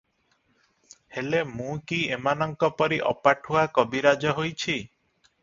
ହେଲେ ମୁଁ କି ଏମାନଙ୍କପରି ଅପାଠୁଆ କବିରାଜ ହୋଇଛି?